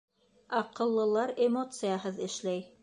Аҡыллылар эмоцияһыҙ эшләй.